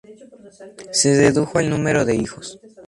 Se redujo el número de hijos.